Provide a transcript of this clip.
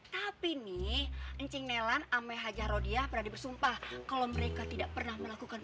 begitu tapi nih kencing melan sama haji rodiah pernah bersumpah kalau mereka tidak pernah melakukan